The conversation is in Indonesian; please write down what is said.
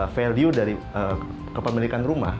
value dari kepemilikan rumah